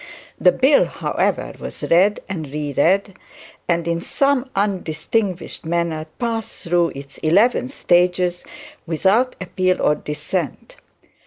The bill, however, was read and reread, and in some undistinguished manner passed through its eleven stages without appeal or dissent.